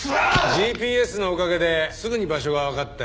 ＧＰＳのおかげですぐに場所がわかったよ。